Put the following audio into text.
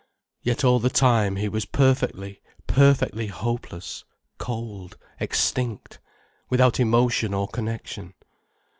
Yet all the time he was perfectly, perfectly hopeless, cold, extinct, without emotion or connection.